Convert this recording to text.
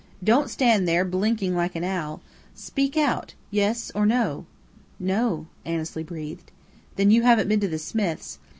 Don't stand there blinking like an owl. Speak out. Yes or no?" "No," Annesley breathed. "Then you haven't been to the Smiths'.